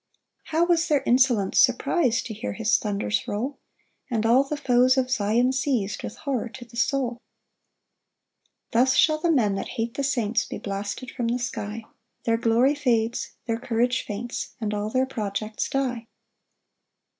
5 How was their insolence surpris'd To hear his thunders roll! And all the foes of Zion seiz'd With horror to the soul. 6 Thus shall the men that hate the saints Be blasted from the sky; Their glory fades, their courage faints, And all their projects die.